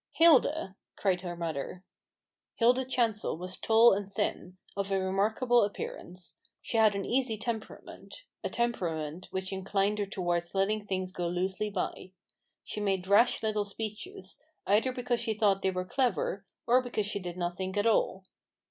" Hilda !" cried her mother. Hilda Chancel was tall and thin, of a remark able appearance. She had an easy temperament, a temperament which inclined her towards letting things go loosely by. She made rash 158 A BOOK OF BARGAINS, little speeches, either because she thought they were clever, or because she did not think at all.